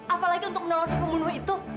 apalagi untuk menolong si pembunuh itu